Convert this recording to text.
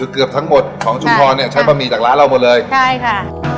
เกือบทั้งหมดของชุมพรเนี่ยใช้บะหมี่จากร้านเราหมดเลยใช่ค่ะ